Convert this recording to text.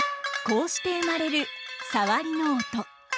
こうして生まれるサワリの音。